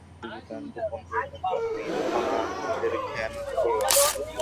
আর যদি তা গোপন করি তাহলে আমি আমানতের খেয়ানত করলাম।